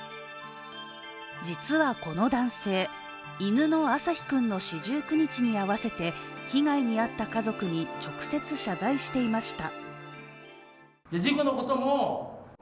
実はこの男性、犬の朝陽くんの四十九日に合わせて被害に遭った家族に直接謝罪していました。